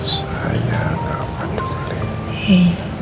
saya ga peduli